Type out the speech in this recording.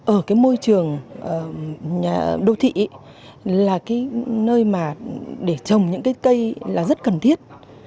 ở cái môi trường đô thị là cái nơi mà để trồng những cái cây là rất cần thiết